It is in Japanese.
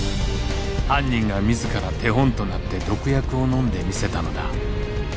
犯人が自ら手本となって毒薬を飲んで見せたのだ。